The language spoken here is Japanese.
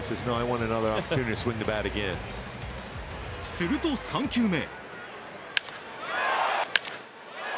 すると、３球目。